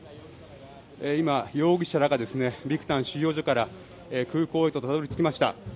今、容疑者らがビクタン収容所から空港へとたどり着きました。